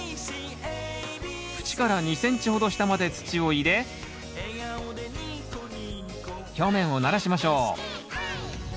縁から２ｃｍほど下まで土を入れ表面をならしましょう。